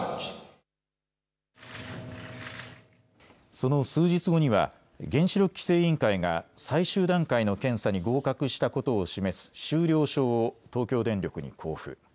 その数日後には原子力規制委員会が最終段階の検査に合格したことを示す終了証を東京電力に交付。